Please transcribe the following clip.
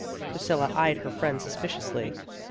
Priscilla eyed her friend suspiciously.